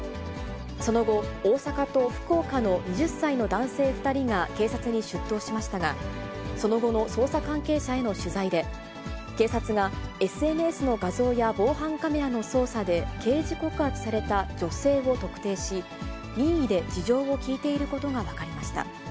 その後、大阪と福岡の２０歳の男性２人が警察に出頭しましたが、その後の捜査関係者への取材で、警察がＳＮＳの画像や防犯カメラの捜査で、刑事告発された女性を特定し、任意で事情を聴いていることが分かりました。